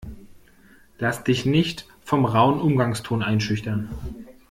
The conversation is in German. Lass dich nicht vom rauen Umgangston einschüchtern!